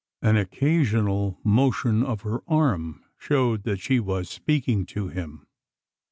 An occasional motion of her arm showed that she was speaking to him.